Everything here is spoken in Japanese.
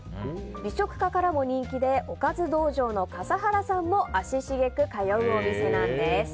美食家からも人気でおかず道場の笠原さんも足しげく通うお店なんです。